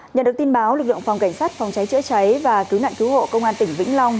nhận được tin báo lực lượng phòng cảnh sát phòng cháy chữa cháy và cứu nạn cứu hộ công an tỉnh vĩnh long